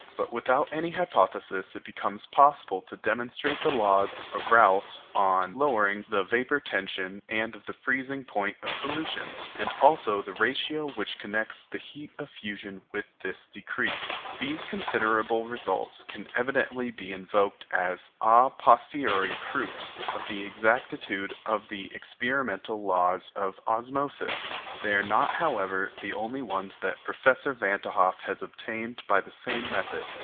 But without any hypothesis it becomes possible to demonstrate the laws of Raoult on the lowering of the vapour tension and of the freezing point of solutions, and also the ratio which connects the heat of fusion with this decrease. These considerable results can evidently be invoked as a posteriori proofs of the exactitude of the experimental laws of osmosis. They are not, however, the only ones that Professor Van t' Hoff has obtained by the same method.